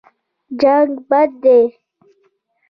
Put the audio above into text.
جنګ بد دی.